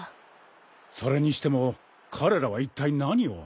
それにしても彼らはいったい何を？